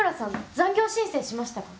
残業申請しましたか？